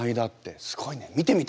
すごいね見てみたいね。